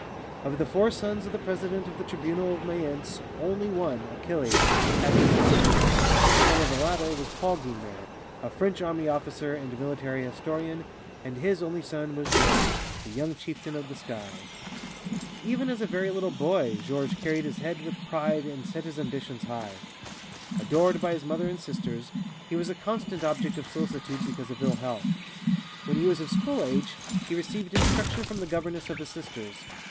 Of the four sons of the president of the Tribunal of Mayence, only one, Achille, had descendants. The son of the latter was Paul Guynemer, a French army officer and military historian, and his only son was Georges, the young chieftain of the sky. Even as a very little boy, Georges carried his head with pride and set his ambitions high. Adored by his mother and sisters, he was a constant object of solicitude because of ill health. When he was of school age he received instruction from the governess of his sisters.